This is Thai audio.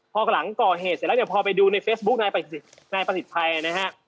พอหลังก่อเหตุเสร็จแล้วเนี่ยพอไปดูในเฟซบุ๊คนายประสิทธิ์ชัยนะฮะ